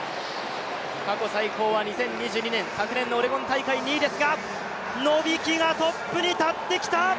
過去最高は２０２２年、昨年のオレゴン大会２位ですがノビキがトップに立ってきた！